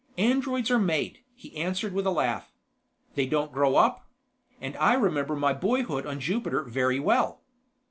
"Androids are made," he answered with a laugh. "They don't grow up. And I remember my boyhood on Jupiter very well."